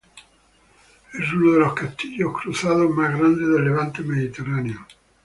Es uno de los castillos cruzados más grandes del Levante mediterráneo.